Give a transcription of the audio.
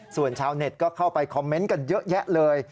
ส่วนชาวเน็ตก็เข้าไปคอมเมนต์กันเยอะแยะเลย